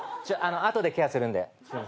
後でケアするんで。